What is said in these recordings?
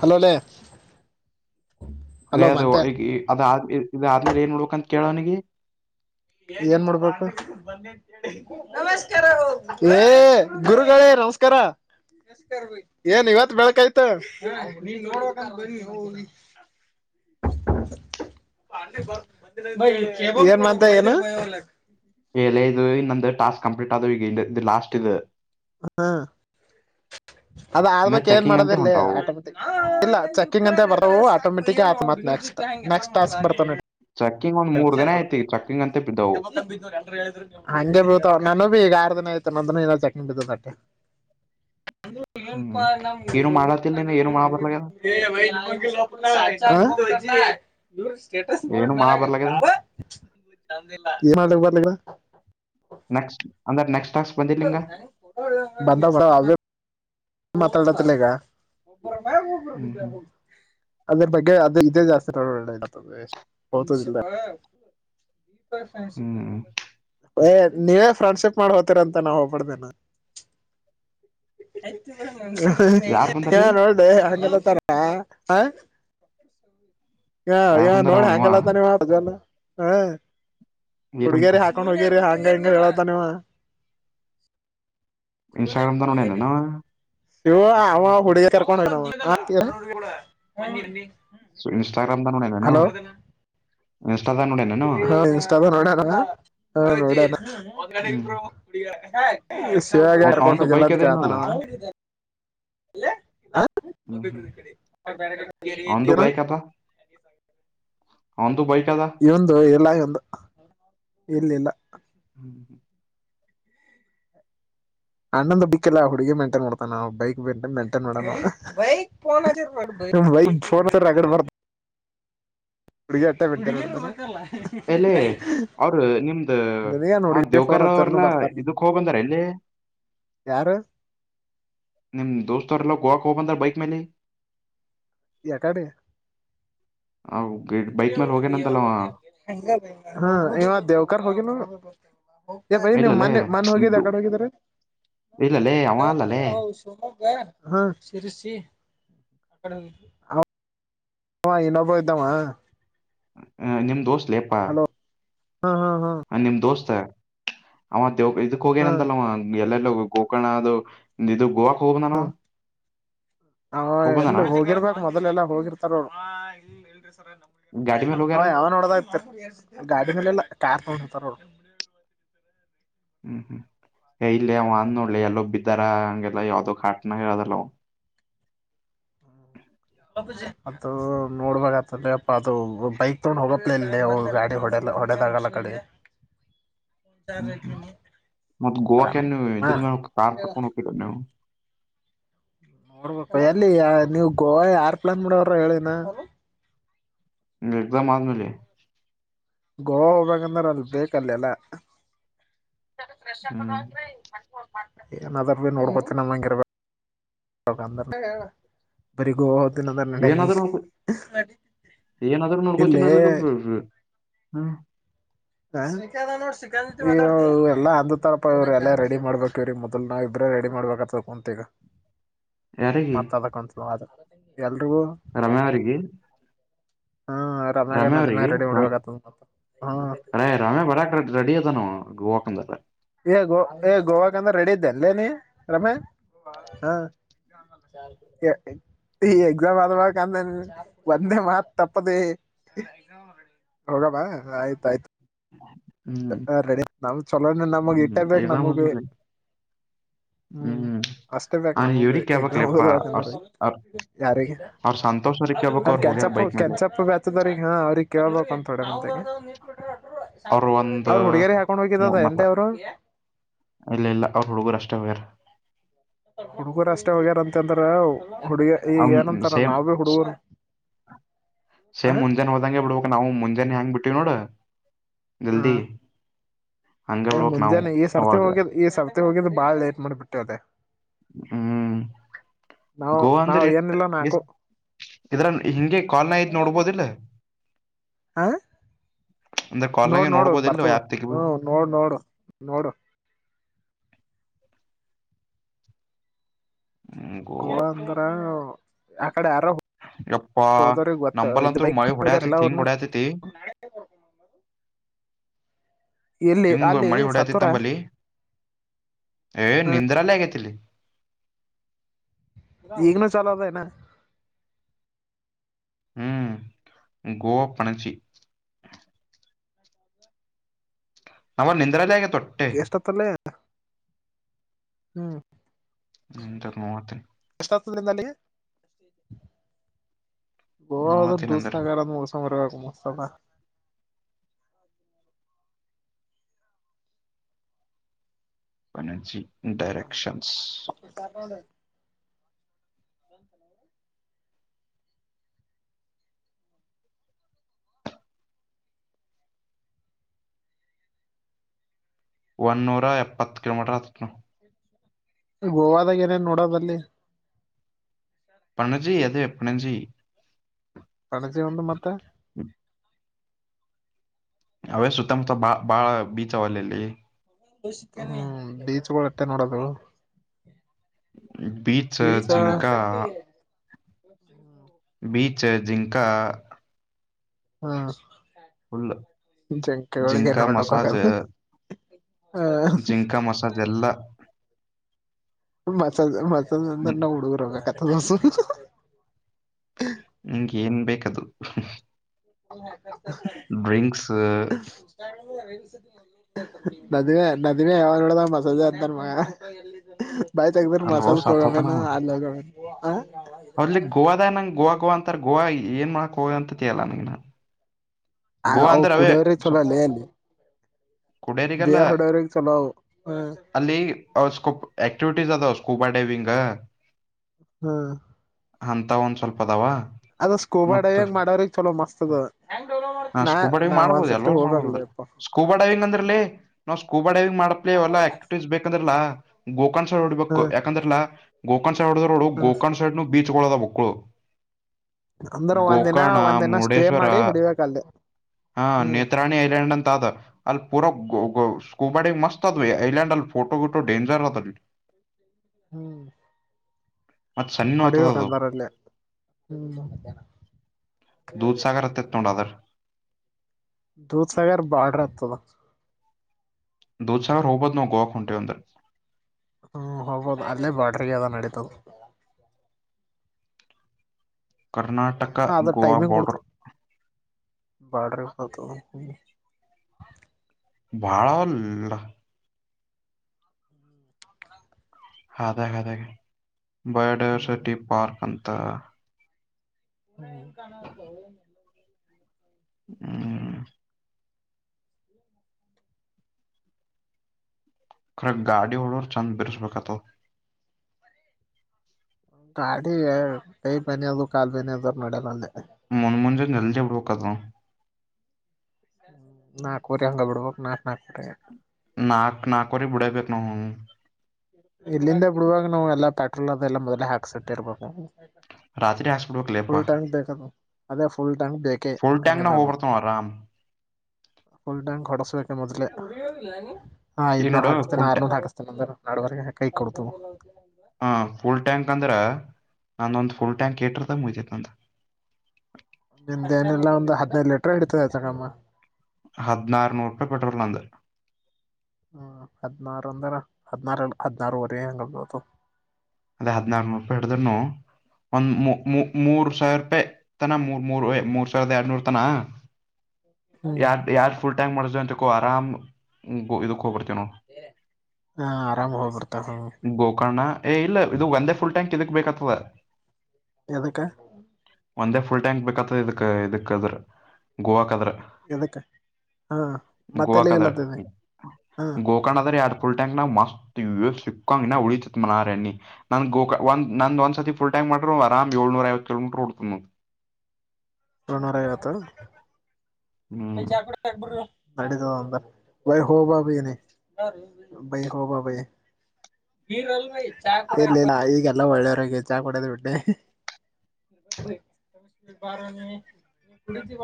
Hello ಲೇ ಲೆ hello ಅದು ಮಂತೆ ಈಕಿ ಈ ಅದಾದ್ಮ ಇದ ಇದಾದ್ಮೇಲೆ ಏನ್ ಮಾಡ್ಬೆಕಂತ ಕೇಳ್ ಅವನಿಗಿ. ಏನ್ ಮಾಡ್ಬೇಕು ಏ ಗುರುಗಳೇ. ನಮಸ್ಕಾರ ನಮಸ್ಕಾರ ಬೈ ಏನ್ ಇವತ್ ಬೆಳ್ಕಯ್ತ ನೀನ್ ನೋಡ್ಬೇಕ್ ಅಂತ ಬಂದಿನೋ ಬೈ. [inaudible] ಏನ್ ಮತ್ತ್ ಏನ ಎ ಲೆ ಇದು ಇ ನಂದ ಟಾಸ್ಕ್ ಕಂಪ್ಲೀಟ್ ಆದು ಇದ ಈಗ ಲಾಸ್ಟ್ ಇದ. ಹಾ ಅದ್ ಇನ್ನ ಬಕ್ ಏನ್ ಚೆಕಿಂಗ್ ಅಂತೆ ಮಾಡೋದಿಲ್ಲೇ ಹೊಂಟಾವು ಆಟೋಮೆಟಿಕ್ ಇಲ್ಲ ಚೆಕ್ಕಿಂಗ್ ಅಂತ ಬರವು ಆಟೋಮೆಟಿಕ್ ಟಿಕೆ ಆತದ ಮತ್ತ್ ನೆಸ್ಟ್ ನೆಕ್ಸ್ಟ್ ಟಸ್ಕ್ ಬರ್ತಾವ ನಿನ ಚೆಕಿಂಗ್ ಒಂದ್ ಮೂರ್ ಟೆನ್ಶೆನ್ ದಿನ ಐತಿ ಚೆಕಿಂಗ್ ಅಂತೆ ಬಿದ್ದವು ತೋಬ್ಯಾಡ್ ಹ್ಮ್ ಹಂಗೆ ಬೀಳ್ತಾವ ನಾನು ಈಗ ಆರ ದಿನ ಆಯ್ತ ನಂದನು ಹಿನಾ ಚೆಕಿಂಗ್ ಬಿದ್ದದ ಅಟ್ಟೆ. ಹ್ಮ್ ಏನು ಮಾಡತ್ತಿಲ್ಲ ನೀನು ಏನು ಮಾಡ ಬರ್ಲಾಗ್ಯದ [unintelligible] ಹ್ ಚಾ ಇವುರ್ಸ್ ಸ್ಟೇಟಸ್ ನೋಡ್ ಏನು ನಾ ಮಾಡ ಗಾ ಬರ್ಲಾಗ್ಯದ ವ ನಮ್ಮದಿಲ್ಲಿ ಎನ್ ಮಾಡಲ್ಕ್ ಬರಲಾಗ್ಯದ. ನೆಕ್ಸ್ಟ್ ಅಂದ್ರ ನೆಕ್ಸ್ಟ್ ಟಾಸ್ಕ್ ಬಂದಿಲ್ಲ ಹಿಂಗ ಬಂದವ ಬರ್ತಾವ್ ಅವೇ ಮಾತಾಡಲತಿಲ್ ಈಗ ಹ್ಮ್ ಹ್ಮ್ [unintelligible] ಅದ್ರ ಬಗ್ಗೆ ಅದೇ ಇದೇ ಜಾಸ್ತಿ ನೋಡಬ್ಯಾಡ ಇದಾತದ ವೇಸ್ಟ್ ಕನ್ಫ್ಯೂಸ್ ಬ್ಯಾಡ ಒಳ್ಳೆ. ಇತರ ಫ್ರೆಂಡ್ಶಿಪ್ ಹ್ಮ್ ಇರಬೇಕ ಆತದ. ಏ ನೀವೇ ಫ್ರೆಂಡ್ಶಿಪ್ ಮಾಡ್ ಹೋತೀರ ಅಂತ ನಾವ್ ಹೋಗ್ಬಡ್ದೇನ. ಯಾರು [unintelligible] ಏ ಬಂದಾರ್ಲಿ ನೋಡೆ ಹ್ಯಾಂಗ್ ಅಲ್ಲತರ ಆ ಹ ಯಾರು ಇಂವ ಬಂದಾರ ನೋಡ ಅವ ಇವ ಹ್ಯಾಂಗ್ ಅಲ್ಲತನ ಇಂವ ಪ್ರಜ್ವಲ್ ಹ. ಏನಂತ ಹುಡ್ಗ್ಯರಿ ಹಾಕೊಂಡ್ ಹೋಗಿರಿ ಹಾಂಗ ಹಿಂಗ ಹೇಳತಾನ ಇಂವ. ಇನ್ಸ್ಟಾಗ್ರಾಮದಾಗ್ ನೋಡ್ಯನ ಎನ್ ಅಂವ. ಇವು ಅಂವ ಹುಡುಗಿ ಕರ್ಕೊಂಡ ಹೋಗ್ಯಾನ್ ಅಂವ [unintelligible] ಇನ್ಸ್ಟಾಗ್ರಾಮದಾಗ ನೋಡ್ಯನ್ ಎನ್ ಅಂವ ಇನ್ ಹಾ ಇನ್ಸ್ಟದಾಗ್ ನೋಡ್ಯಾಣ ಹ ನೋಡ್ಯನ ಒಕಾಡಿಕ್ ಹ್ಮ್ ಬ್ರೋ ಹುಡಗ್ಯಾರ್ ಹ್ ಶಿವ್ಯಾಗ ಯಾಕ್ ಕರ್ಕೊಂಡ್ ಅವಂದು ಹೋಗಿಲ್ಲ ಬೈಕ್ ಅಂತ ಕೇಳ್ತಾನ ಅದೇನಲ್ಲ ಅಂವ. ಲೆ ಹ ಹ್ಮ್ ಹ್ಮ್ [unintelligible] ಬ್ಯಾರೆ ಹೊಗೇರಿ ಅವಂದು ಏನು [unintelligible] ಬೈಕ್ ಅದ ಅವಂದು ಬೈ ಇಂವದು ಇಲ್ಲ ಇಂವದು ಇಲ್ಲ ಇಲ್ಲ. ಹ್ಮ್ ಹ್ಮ್ ಅಣ್ಣಂದು ಬಿಕ್ಕಿಲ್ಲಾ ಹುಡುಗಿ ಮೇಂಟೈನ್ ಮಾಡ್ತಾನ ಅಂವ ಬೈಕ್ [unintelligible] ಮೆಂಟೇನ್ ಮಾಡಲ್ ಅಂವ [unintelligible] ಬೈಕ್ ಫೋನ್ ಹಚ್ಚರ ರಗಡ್ ಬರ್ [inaudible] ಹುಡುಗಿ ಅಟ್ಟೆ ಬಿಟ್ಟಿಲ್ ಹ್ [unintelligible] ಎಲೆ ಅವ್ರ ನಿಮ್ದ ನಿನಗೇನ್ ಅವ ಹುಡುಗಿ ಫೋನ್ ದೇವ್ಕರ್ ಹಚ್ಚರನು ಅವ್ರಲ್ಲಾ ಬರ್ತಾರ ಇದಕ್ ಹೋಗ್ ಬಂದಾರ ಎಲ್ಲಿ ಯಾರ ನಿಮ್ ದೋಸ್ತರೆಲ್ಲ ಗೋವಾಕ್ ಹೋಗ್ ಬಂದರ ಬೈಕ್ ಮೇಲಿ. ಯಕಡಿ. ಬೈಕ್ ಮೇಲೆ ಹೋಗ್ಯನಂತಲ್ಲ ಅವ ಹಾ ಇಂವ ದೇವ್ಕರ್ ಹೋಗಿನ ಅಲ್ಲೋ. ಏ ಬೈ ನೀವ್ ಇಲ್ಲಲೇ ಮನ್ನೆ ಮನ್ ಹೋಗಿದ್ದ ಇದು ಯಕಡ ಹೋಗಿದ್ರಿ ನಾವು ಇಲ್ಲಲೇ ಅವ ಯವತ್ರಿ ಅಲ್ಲಲೇ ಯಾವಾಗ್ [unintelligible] ಕೇಳ್ ಹ ಸಿರಸಿ ಅಕಡ್ ಹೋಗಿದ್ವಿ ಅಂವ- ಅಂವ ಹೀನೊಬ್ಬಂವ ಇದ್ದಂವ. ಹ ನಿಮ್ ದೋಸ್ತ ಲೇಪ. ಹಾ ಹಾ ಹಾ ಹ ನಿಮ್ ದೋಸ್ತ ಅಂವ ದೇವ್ ಇದಕ್ ಹಾ ಹೋಗೇನಂತಲ್ಲವ ಎಲ್ಲಾರ ಎಲ್ಲೋ ಗೊ ಗೋಕರ್ಣ ಅದು ಇದು ಗೋವಾಕ ಹೋಗಬಂದಾನ ಅಂವ. ಅಂವ ಎಲ್ಲ ಹೋಗಿರ್ಬೇಕ ಮೊದಲೆ ಎಲ್ಲಾ ಹೋಗಿರ್ತಾರ ಅವ್ರು ಗಾಡಿ ಮೇಲೆ ಅಂವ ಹೋಗ್ಯಾರ ಯಾವಾಗ್ ನೋಡದಾಗ್ ಚರ್ ಗಾಡಿ ಮೇಲ್ ಇಲ್ಲ ಕಾರ್ ತೊಂಡ ತರೋಳ್ [unintelligible] ಹ್ಮ್ ಹ್ಮ್ ಇಲ್ಲಿ ಅವ ಅಂದ ನೋಡ್ಲಿ ಎಲ್ಲೋ ಬಿದ್ದಾರ ಹಂಗೆಲ್ಲ ಯಾವ್ದೋ ಕಾಟನ ಇರದಲ್ಲ ಅವ [inaudible] ಅದು ನೋಡ್ಬ ಆತದ ಅಪ್ಪ ಅದು ಬೈಕ್ ತಗೊಂಡ್ ಹೋಗಪ್ಲ ಇಲ್ಲ ಗಾಡಿ ಹೊಡೆ ಹೊಡೆದ ಲ್ಲ ಕಡೆ [inaudible] ಹ್ಮ್ ಹ್ಮ್ ಮತ್ತತ್ ಆರಾಮ್ ಗೋವಾಕ್ಕೆ ನೀವು ಇದರ್ ಮೇಲೆ ಕಾರ್ ಕಟ್ಕೊಂಡ್ ಹೋಗರ ನೀವು ನೋಡ್ಬೇಕ ಎಲ್ಲಿ ನೀವು ಗೋವಾ ಯಾರ್ ಪ್ಲಾನ್ ಮಾಡವ್ರ ಹೇಳಿನ ಎದಮ ಆಜಮಲೆ ಗೋವಾ ಹೋಗಂದ್ರೆ ಅಲ್ಲಿ ಬೇಕಲ್ಲಿ ಎಲ್ಲ ಹ್ಮ್ ಏನಾದ್ರ ಭ ನೋಡ್ಬತ್ತ ನಮ ಹಂಗಿರ್ಬೇಕ ಬರಿ ಗೋ [unintelligible] ಏನಾದ್ರೂ ನೋಡ್ಕೊ ಏನಾದ್ರೂ ಇಲ್ಲಿ ನೋಡ್ಕೊತೀನ [unintelligible] ಹ್ಮ ಎಲ್ಲಾ ಅ ತರ ಪ್ಪ ಇವ್ರಿ ಅಲ್ಲೇ ರೆಡಿ ಮಾಡ್ಬೇಕ ಇವ್ರೀ ಮೊದ್ ನಾವವು ಇಬ್ರೇ ರೆಡಿ ಮಾಡ್ಬೇಕದ ಕುಂತ ಈಗ ಯಾರಿಗೆ ಹತ್ದಕೊತ್ಲ ರಮ್ಯಾ ಅವಿಗೆ ಹ್ಮ ರಮ್ಯಾಗ ರಮೆ ನದಿ ಮ್ಯಾಗ ಅವ್ರಿಗೆ ರೆಡಿ ರ ಮಾಡ್ಬೇಕತ್ ಹ್ಮ ರ ರಮೆ ಬರಾಕ್ ರೆಡಿ ಗಕಂದಲ್ಲ ಗೋವಾಕ ಅಂದ್ರೆ ರೆಡಿ ಇದ್ದೆ ಅಲ್ಲೇ ನೀ ರಮ್ಯಾ ಹ [unintelligible] ಈ ಎಕ್ಸಾಮ್ ಆದಬೇಕಕ್ ಅಂದ ಒಂದೇ ಮಾತ್ ತಪ್ಪದೆ ಹೌರಬಾ ಆಯ್ತ ಆಯ್ತು ಹ್ಮ್ ಚಲೋನೆ ನಮಗ್ ಹ್ಮ್ ಇಟ್ಟೇ ಬೇಕ್ ಎಕ್ಸಾಮ ನಮಗ್ ಬಿ ಬಂದಲ್ಲ ಹ್ಮ್ ಹ್ಮ ಅಷ್ಟೇ ಬೇಕ್ ಅವ ನಮಗ ಇವರಿ ಕ್ಯಾಬಕ್ ಎಕ್ಸಾಮ್ ಲೆಪ ಓದಬೇಕಂದ್ರ ಯಾರಿಗೆ ಅ್ರ ಅವ್ರು ಹೋಗ್ಯಾರ ಕೆನ್ಚಪ್ಪ ಬೈಕ್ ಮೇಲೆ ಕೆನ್ಚಪ್ಪು ಬೆತದ್ರಗಾ ಅವ್ರಗ್ ಕೇಳ್ಬೇಕಂತ ಥೋಡೆ ಮಂದಗೆ [unintelligible] ಅವರು ರ್ ಒಂದ ಅವ್ರ ಹುಡುಗೇರಿ ಹಾಕೊಂಡ್ ಹಿದ್ದದ ಮತ್ತ ಎಂದ ಅವರು ಇಲ್ಲ ಇಲ್ಲ ಅವ್ರ ಹುಡುಗರು ಅಷ್ಟೇ ಹೋಗ್ಯಾರ ಹುಡುಗುರು ಅಷ್ಟ ವಗರ ಅಂತಂದ್ರ ಹುಡುಗ ಈಗ ಅವ್ ಏನಂತಾರ ಸೇಮ್ ನಾವ ಭೀ ಹುಡುಗರು ಆ ಸೇಮ್ ಮುಂಜಾನೆ ಹೋದಂಗಗೆ ಬಿಡ್ಬೇಕಕ್ ನಾವು ಮುಂಜಾನೆ ಹೆಂಗ್ ಬಿಟ್ಟಿವವ್ ನೋಡ ಹಾ ಜಲ್ದಿ ಹಂಗ ಬಿಡ್ಬಕ್ ನಾವು ಮುಂಜಾನಾನೆ ಈ ಸರ್ತಿ ಅವಾಗ ಹೋಗ ಈ ಸರ್ತಿ ಮತ್ತ ಹೋಗಿದ ಬಾಳ ಲೇಟ್ ಮಾಡ್ಬಿಟ್ಟೆ ಅದೇ ಹ್ಮ್ ನಾವ್ ಗೋವಾ ನಾವ್ ಅಂದ್ರೆ ಏನಿಲ್ಲ ನಾಕು ಎಷ್ಟ ಎಷ್ಟ ಹಿಂಗೆ ಕಾಲ್ನ ಐದ್ ನೋಡ್ಬೋದಿಲ್ಲ ಹ ಅಂದ್ರ ನೋಡು ಕಾಲ್ನಾಗೆ ನೋಡು ನೋಡ್ಬೋದಿಲ್ಲ ಬರ್ತದ ಯಾಪ್ ತೆಗಿಬ ಹ್ಮ ನೋಡು ನೋಡು ನೋಡು ಗೋವಾ ಗೋಳಂದ್ರ ಅಕಡೆ ಯಾರ ಯಪ್ಪಾ ನಂಬಲ್ಂತರು ಮಳಿ ಹೋಗ್ಯಾರಲ್ಲ ಹೊಡ್ಯತಿತಿ ಹಿಂಗ್ ಅವ್ರನು ಹೊಡತಿತಿ [inaudible] ಎಲ್ಲಿ ಹಿಂಗ ಅಲ್ಲಿ ಮಳಿ ಸತ್ತುರ ಹೊಡತಿತ್ತಂಬಲಿ ಏ ಹ ನಿಂದ್ರಲ್ಲ ಆಗೇತಿಲ್ಲಿ ಈಗನ ಚಲತಾಯನಾ ಹ್ಮ್ ಗೋ ಪಣಚಿ ಅವ ನಿಂದ್ರಲ್ಲೇ ಆಗೆ ಎಷ್ಟತ್ತಲ್ಲ ಹ್ಮ್ ನಂತರ್ ಮಹತ್ತನ್ ಬಹ ನೋಡತೀನಿ ಅಂದ್ರ ದುಕಾರ ಕಮರಗಸ್ ಒನಜಿ ಡೈರೆಕ್ಷನ್ಸ್ ಏನ್ ಒಂದ್ ನೂರ ಎಪ್ಪತ್ತು ಕಿಲೋಮೀಟರ್ ಹತ್ನು ಗೋವದಾಗ ಏನೇನು ನೋಡೋದಲ್ಲಿ ಪಣಜಿ ಅದೆ ಪಣೆಜಿ ಪಣಜಿ ಒಂದು ಮತ್ತೆ ಹ್ಮ ಅವೇ ಸುುತ್ತಮತ್ತ ಬ ಬಾಳ ಬೀಚಾ ಅವೆ ಅಲ್ಲಿ ಹ್ಮ್ ಬೀಚ್ಗಳುಷ್ಟೆ ನೋಡದು ಬೀಚ್ ಜಿಂಕ [unintelligible] ಬೀಚ ಜಿಂಕ ಹಾ ಫುಲ್ ಜಿಂಕ ಜಂಕೆಗಳಳಿಗೆನ [unintelligible] ಆಗದ ಜಿಂಕಾ ಮಸಾಜ್ ಎಲ್ಲಾ ಮಾಸ ಮಾಸ ನಂದನ್ನ ಡುರ ಕಥ ಬಸು ನಿಂಗೆ ಏನ್ ಬೇಕ ಅದು ಹ ಡ್ರಿಂಕ್ಸ್ ನದಿವೆ ನದಿವೆ ಯಾವ ನೋಡದ ಮಸಜೆ ಅಂತಾರ ಮಗ ಬಾಯಿ ತಗದ್ರ ಅಲ್ಲಿ ಮಸಾಲ ಹೋಗಿ ಸತ್ ಕೊಗಮೇನು ಹೋತಾನವ ಅ ಹೋಗೇ ಹ ಅಲ್ಲಿ ಗೋವದ ನಂಗಗೆ ಗೋವಾ ಗೋವಾ ಅಂತಾರ ಗೋವಾ ಏನ್ ಮಾಡಕೋ ಅಂತ ತಿೇಲ ನಂಗ ನಾ ಗೋವಾ ಅವು ಅಂದರೆ ಕುಡಿಯೋರಿಗೆ ಹ ಚಲೋ ಅಲ್ಲೇ ಅಲ್ಲಿ ಕುಡಿಯರಿಗೆಲ್ಲ ಬಿಯರ್ ಹೊಡೋರಿಗೆ ಚಲೋ ಅವು ಹ್ಮ್ ಅಲ್ಲಿ ಸ್ಕೋಪ್ ಆಕ್ಟಿವಿಟೀಸ್ ಅದ ಅಷ್ಟು ಸ್ಕೂಬಾ ಡೈವಿಂಗ್ ಹ್ಮ್ ಅಂತ ಒಂದ್ ಸ್ವಲ್ಪ ಅದಾವ ಅದ ಮತ್ತ ಸ್ಕೋಬಾಡ್ಯಂಗ ಮಾಡ್ರ ಚಲೋ ಮಸ್ತ್ ಅದ ಹಾ ನಾ ಸ್ಕೂಬ ಡೈವಿಂಗ ನಾ ಮಾಡಬಹುದು ಒಂದ್ಸರ್ತಿ ಎಲ್ಲರ ಮಾಡಬೋುದು ಅ್ರ ಹೋಗ್ಬೇಕಲಪ್ಪ ಸ್ಕೂಬ ಡೈವಿಂಗ ಅಂದ್ರರ್ಲಿ ನಾವು ಸ್ಕೂಬ ಡೈವಿಂಗ್ ಮಾಡಪ್ಲಿ ಲ್ಲ ಆಕ್ಟಿವಟೀಸ್ ಬೇಕಂದ್ರಲ್ಲ ಗೋಕರ್್ ಸೈಡ್ ಹೊಡ್ಬೇಕು ಹ್ಮ್ ಯಾಕಂದ್ರ ಇಲ್ಲ ಗೋಕರ್ ಸರ್ಡ್ ಹೋಡಿದ್ೋಡು ಹ್ಮ್ ಗೋಕರ್್ ಸೈಡ್ ಬೀ [unintelligible] ಮಕ್ಕಳು ಅಂದ್ರ ಒಂದಿನ ಗೋಕರ್ಣ ಒಂದಿನ ಸ್ಟೇ ಮುರುಡೇಶ್ವರ ಮಾಡಿ ಹೊಡಿಬೇಕ ಅಲ್ಲೇ ಹಾ ಹ್ಮ್ ನೇತ್ರಾಣಿ ಐಲ್ಯಂಡ್ ಅಂತ ಅದ ಅಲ್ಲಿ ಪೂರಾ [unintelligible] ಮಸ್ತ ಅದ ಐಲಂಡ ಅಲ್ಲಿ ಫಟೋ ಡೆಂಜರ್ ಹತಲ್ಲಿ ಹ್ಮ್ ಹ ಕಡಿಕಂತರಲ್ಲ ಹ್ಮ ದೂತ್ಸಾಗರತೆ ತುಂಡಾದರ್ ದೂಧಸಗರ [unintelligible] ದೂಧಸಾಗರ್ ಹೋಗಬೌದು ಗೋವಾ ಕುುಂಟೆ ಅಂದ್ರ ಹ್ಮ್ ಹಬೋದು ಅಲ್ಲೇ ಬಾರ್ಡರ್ಗೆ ಅದ ನಡೀತದ ಕರ್ನಾಟಕ ಏನೋ ಗೋವಾ ಬೋರ್ಡರ್ ಬಾರ್ಡ್ರ ಹತ ಭಾಳ ಅಲ್ಲ ಅದೇ ಅದೇ ಹ್ಮ್ ಬಯೋಡೈವರ್ಸಿಟಿ ಪಾರ್ಕ್ ಅಂತ ಹನ್ ಹ್ಮ ಕ್ರ ಗಾಡಿ ಹೊಓಡೋರ್ ಚಂದ ಬಿರ್ಸ್ಬೇಕತ ಗಾಡಿ ೈ ಬನಿ ಅದು ಕಾ ಬನಿ ಅದ ನಡ ಮಂದೆ ಮುಂಜೆ ನಲ್ಲಿ [unintelligible] ನಾಲ್ಕೂರಿ ಹಂಗ ಬಿಡಬೇಕ ನಾಕು ನಾಕರಿ ನಾಕ್ ನಾಕವರಿ ಬಿಡಬೇಕು ನಾ ಇಲ್ಲಿಂದ ಬಿಡುವಾಗ ನಾವ್ ಎಲ್ಲ ಪೆಟ್ರೋಲ್ ಅದೆಲ್ಲ ಮೊದ್ೇ ಹಾಕ್ಸಟ್ಟಿ ಇರ್ಬೇಕ ಹ ರಾತ್ರಿ ಹಾಕ್ಬಿಡ್ಬೇಕ ಲೇಪ್ಪ ಬೇಕದು ಅದೇ ಫುಲ್ ಟ್ಯಾಂಕ್ ಬೇಕೇ ಫುಲ್ ಟ್ಯಾಂಗ್ ನ ಹೆಂಗಿದ್ರೂನು ಹೋಗ್ಬರ್ತ ಆರಾಮ್ [inaudible] ಫುಲ್ ಡ್ಯಾಂಕ್ ಹೊಡಸಬೇಕ ಮೊದ್ಲೆ ಹಾ ಈಗ ಐದನೂರು ನೋಡು ಹಾಕಿಸ್ತೇನೆ ಫುಲ್ ಟ್ಯಾ ಆರ್ನೂರು ಹಾಕಿಸ್ತೇನೆ ಅಂದ್ರೆ ನಾಡವರೆಗೆ ಕೈ ಕೊಡ್ತ ಹ ಫುಲ್ ಟ್ಯಾಂಕ್ ಅಂದ್ರೆ ನಾನೊಂದು್ ಫುಲ್ ಟ್ಯಾಂಕ್ ಕಟರ್ದಾಗ ಮುಿತತ್ ಅಂತ ನಿಮ್ದ ಏನೆಲ್ಲಾ ಒಂದು ಹದ್ನೈದು ಲೀಟ್ರ ಇಡತದತಗಮ್ಮ ಹದಿನಾರನೂರು ರೂಪಾಯಿ ಪೆಟ್ರೋಲ್ ನಂದ ಹ್ಮ ಹದಿನಾರು ಅಂದಾರ ಹದ್ಿನಾರ ಹದಿನಾರುವರೆಗೆ ಹೆಂಗಬೋದು ಅದೇ ಹದ್ಿನಾರನ ರೂಪಾಯಿ ಹಿಡಿದ್ನು ಒಂದ್ ಮೂರು ಸಾವಿರ ರೂಪಾಯಿ ತನ ಮೂರ್ ಮೂರ್ ಮೂರ್ ಸಾವಿರದ ಎರಡ್ನೂರ್ ತನ ಹ್ಮ್ ಯಾರ ಯಾರ್ ಫು ಂಗ್ ಮಾಡ ಅಂತು ಆರಾಮ್ ಇದಕ್ ಹೋಗಬರ್ತ ಕನೋ ಹಾ ಆರಾಮ್ ಹೋಗ್ಬಿಡ್ತಾವ ಹ್ಮ ಗೊಕರ್ಣ ಏ ಇಲ್ಲ ಇದು ಒಂದೇ ಫುಲ ಟ್ಯಾಂಕ್ ಇದಕ್ ಬೇಕತದ ಎದಕ್ಕ ಒಂದೇ ಫುಲ್ ಟ್ಯಾಂಕ್ ಬೇಕತದ ಇದಕ ಇದಕ್ ಅದ್ರ ಗೋವಾಕ್ದ್ರ ಎದಕ್ಕ ಹಾ ಮತ್ತೆ ಗೋವಾಕಾದರ್ ಅಲ್ಲಿಗೆಲ್ಲತದೆ ಹಾ ಗೋಕರ್ಣ ಆದರ ಯಾರ ಫಲ್ಕ್ ಮಸ್ತ್ ಸಿಕ್ಕಹಂಗ್ ಉಳಿತ ಮನಾರ ಎಣ್ಣಿ ನನ್ ಗೋಕಾ ಒಂದ ನಂದು ಒಂದ ಸತಿಫುಲ್ ಟೈಮ್ ಮಾಡ್ರು ಆರಾಮ್ ಏಳ್ನೂರ ಐವತ್ತು ಕಿಲೋಮೀಟ್ರ್ ಉಡ್ತ ನ್ ಏಳು ನೂರ ಐವತ್ತು ಹ್ಮ್ ನಡತದ ಅಂದ್ರ ಬೈ ಹೋಬ ಬನ ಬೈ ಹೋಬಾ ಬೈ ಇಲ್ಲಿಲ್ಲಾ ಈಗೆಲ್ಲ ಒಳ್ಳೆಯರಗೆ ಚಾ ಕೊಡೋದು್ ಬಿಟ್ಟೆ ಬ ಹ್ಮ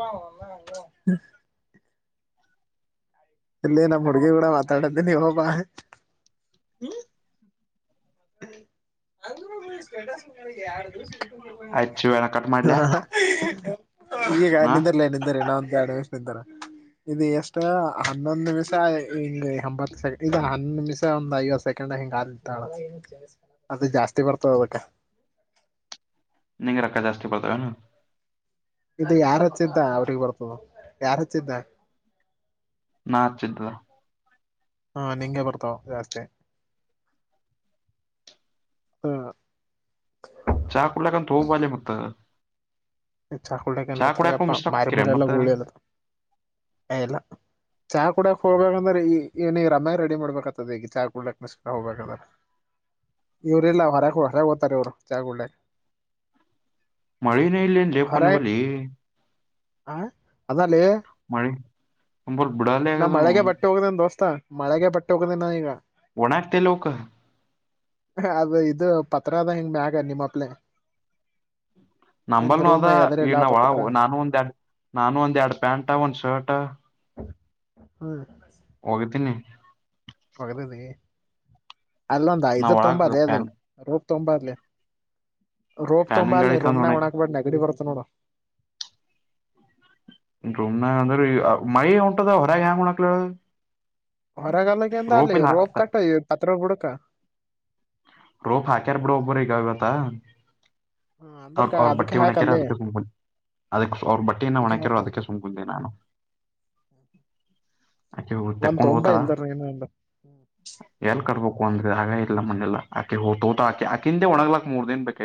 ಇಲ್ಲಿ ನಮ್ಮ್ ಹುಡ್ಗಿ ಕೂಡ ಮಾತಾಡ್ದೆ ನೀ ಹೋಗಿ ಬ ಅ ಸ್ಟಟಸ್ಗೆ ಎರಡು ದಿವ ಆಯ್ತ್ ಶಿವಣ್ಣ ಕಟ್ ಮಾಡ್ಲ್ಯಾ ಹ ಈಗಗ ಹಾ ನಿಂದಿರ್ಲ ನಿಂದ್ರ ನಾ ಎಡ ನಿಮಿಷ ನಿಂದ್ರೂ ಇದು ಎಷ್ಟ ಹನ್ನೊಂದ್ ನಿಮಿಷ ಹಿಂಗಗೆ ಎಂಬತ್ತು ಸೆ ಇದ ಹನ್ನ ನಿಮಿಷ ಒಂದ್ ಐವತ್ತು ಸೆಕೆಂಡ್ ಕಾಲ ಇತ್ತಳ ಅದು ಜಾಸ್ತಿ ಬರ್ತದೆ ಅದಕ್ಕ ನಿಂಗ ರಕ್ಕ ಜಾಸ್ತಿ ಬರತಾವ ಏನು ಇದು ಯಾರ್ ಹಚ್ಚಿದ್ದ ಅವ್ರಿಗೆ ಬರ್ತದ ಯಾರ್ಚ್ಚಿದ್ದ ನಾ ಹಚ್ಚಿದು ಅದ ಹಾ ನಿಂಗೆ ಬರ್ತಾವ ಜಾಸ್ತಿ ಹಾ ಚಾ ಕುಡಲಕ ಬ ಅಂತೇ ಲೇ ಹೋಗು ಮತ್ತ ಚಾಕು ಕನ್ ಚಾ ಹೊತ ಕುಡ್ಯಾಕ ಅಪ್ಪ ಮಿಸ್ಟಾಕ್ ಹೋಕಿರ ಮಾರಮರಲ್ಲ ಮತ್ತ ಗುಳ್ಳಿ ಅದು ಅಲ್ಲ ಚಹ ಕೂಡ ಹೋಗಬೇಕಂದ್ರೆ ಈ ಏನ ಈಗ ರಮ್ಯಾ ರೆಡಿ ಮಾಡ್ಬೇಕತದೆ ಈಗ ಚಾ ಕುಡ್ಕ್ಕನಸ್ಕರ ಹೋಗಬೇಕಂದ್ರೆ ಇವ್ರಲ್ಲ ಹೊರಕ ಹೊರಗ ಹೋತರೆ ಇವರು ಜಾಗಳ್ಳಕ ಮಳನೇ ಇಲ್ಲಂದೆಪ್ಪನ ಬಲಿಿ ಹ ಅದಲ್ಲಿ ಮಳಿ ನಿಂಬಲ್ಲಿ ಬಿಡಾಲೆ ನಾ ಆಗ್ಯದ ಮಳೆಗೆ ಬಟ್ಟೆ ಹೋಗ್ದನ್ ದೋಸ್ತಾ ಮಳೆಗೆ ಬಟ್ಟೆ ಹೋಗದೆ ನ ಈಗ ಒಣಕತೆ ಲೋಕ ಅದು ಇದು ಪತ್ರದ ಹಿಂಗ ಮ್ಯಾಗ ನಿಮ್ಮಪ್ಲೆ ನಿಂದ್ ನಂಬಲ್ನು ಅದ ರೂಮ್ ಈ ಎದರಿಲ್ಲ ನಾವ ಪತ್ರ ಒಳ ನಾನು ಒಂದ್ ಎರಡ್ ನಾನು ಒಂದ್ ಎರಡ ಪ್ಯಾಂಟ್ ಒಂದ್ ಶರ್ಟ್ ಹ್ಮ ಹೋಗತೀನಿ ಒಗದದಿ ಅಲ್ಲೊಂದು ಐದು ನಾವ್ ತುಂಬ ಒಳಗ ಅದ ಅದು. ಫ್ಯಾನ್ ತಂಬ ರೋಪ ಫ್ಯಾನಿನ ತುಂಬಾ ಗಾಳಿ ಅ ರೋಮ ತಂದ ನ ಒಣ ಒಣಾ ಹಾಕ ಬೇಕು ನಗಡಿ ಬರ್. [unintelligible] ಅಂದ್ರ ಮೈ ಉಂಟದ ಹೊರಗೆ ಹೆಯಾಂಗ ಉಣಕ್ಲ. ಹೊರಗಾಲಕ್ಕೆಂತ ಅಲ್ಲಿ ರೋಪ ಕಟ್ಟ ಪತ್ರ ಬುಡಕ. ರೋಪ ಹಾಕ್ಯಾರ ಬಡೋ ಬ್ಬರಗಾವ ಅತ್ತ. ಹ ಅಂದ್ರಕ ಅದಕ್ಕೆ ಬಟ್ಟಿ ಒಣ ಹಾಕ ಅಲ್ಲಿ ಕಕ್ಕೆ ತು. ಅದಕ ಅವ್ರ ಹ ಬಟ್ಟೆನ್ನ ಒಣಕ್ಯರೋ ಹಾಕ ಅದಕ್ಕೆ ಸುಮ್ಮ ಕುತ್ತೇನೆ. ಆಕೆ ಒಂದ್ ತೆಕೊಂಡ್ ತೊಂಬ ಹೋತಾರ ಇಲ್ದರ್ ನೀನು ಒಂದು ಎಲ್ ಕಟ್ಬೇಕ. ಅಂದ್ರೆ ಆಗ ಇಲ್ಲ ಮನೆಯೆಲ್ಲ. ಅಕೆ ಹೊತ ಆಅಕ್ಕಿಂದ ಒಣಾಗಲ ಮೂರು ದನ್ ಬೇಕ.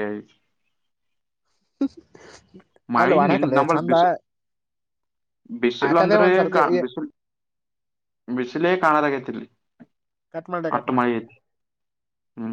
ಮೈ ಅಲ್ಲಿ ನಿ ಒಣಕಲ್ಲ ನಮ್ಮಲ ಚಂದ ಬಿಸು. ಬಿಸಿಲ್ ಹಾಕದೇ ಅಂದ್ರೆ ಕ ಒಂದ್ಸರ್ತಿ ಬಿಸಿಲ. ಬಿಸಿಲೆ ಕಾಣಲ್ಲ ಆಗತಿ ಇಲ್ಲಿ ಕಟ್ ಮಾಡ್ಲೆ ಅಷ್ಟು ಕಟ್ ಮಾಡ ಮಳಿ ಐತಿ. ಹಾ.